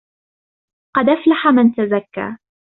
قَدْ أَفْلَحَ مَن تَزَكَّىٰ